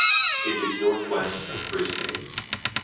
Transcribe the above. It is northwest of Brisbane.